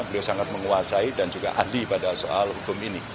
beliau sangat menguasai dan juga andi pada soal hukum ini